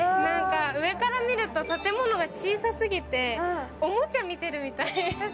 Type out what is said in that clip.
上から見ると建物が小さすぎて、おもちゃ見てるみたい。